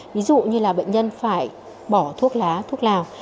ví dụ như là bệnh nhân phải bỏ thuốc lá thuốc lào